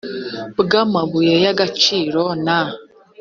bw amabuye y agaciro na